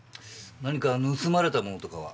何か盗まれたものとかは？